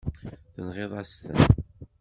Tenɣiḍ-as-ten.